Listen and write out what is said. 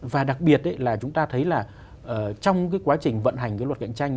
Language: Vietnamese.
và đặc biệt là chúng ta thấy là trong cái quá trình vận hành cái luật cạnh tranh